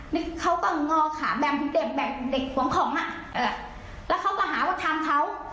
นี่เขาก็งอขาแบบเด็กแบบเด็กหวังของอ่ะเออแล้วเขาก็หาว่าทำเขา